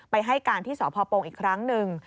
ไปให้การที่สอบพอปงอีกครั้งนึง